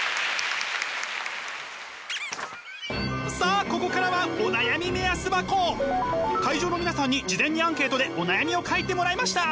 さあここからは会場の皆さんに事前にアンケートでお悩みを書いてもらいました。